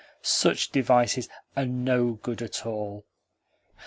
Such devices are no good at all."